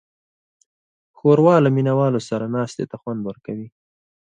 ښوروا له مینهوالو سره ناستې ته خوند ورکوي.